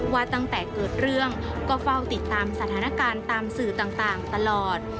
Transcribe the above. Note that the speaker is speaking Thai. ว่าตั้งแต่เกิดเรื่องก็เฝ้าติดตามสถานการณ์ตามสื่อต่างตลอด